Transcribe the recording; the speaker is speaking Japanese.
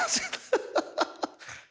ハハハハ。